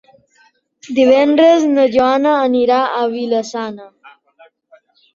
Divendres na Joana anirà a Vila-sana.